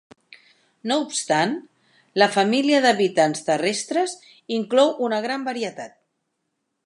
No obstant, la família d'habitants terrestres inclou una gran varietat.